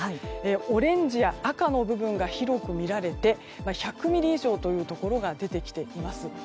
オレンジや赤の部分が広く見られて１００ミリ以上というところが出てきています。